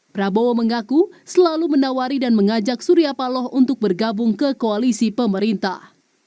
prabowo mengaku selalu menawari dan mengajak surya paloh untuk bergabung ke koalisi pemerintah